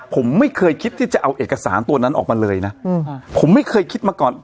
ผมไม่เคยคิดที่จะเอาเอกสารตัวนั้นออกมาเลยนะผมไม่เคยคิดมาก่อน